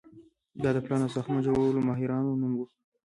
دا د پلان او ساختمان جوړولو ماهرانو نوم و.